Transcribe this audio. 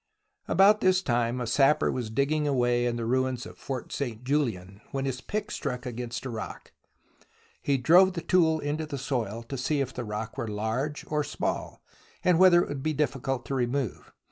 About this time a sapper was digging away in the ruins of Fort St. Julian when his pick struck against a rock. He drove the tool into the soil to see if the rock were large or small, and whether it would be difficult to remove.